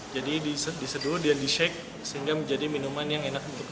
jadi diseduh dia dishek sehingga menjadi minuman yang enak untuk disediakan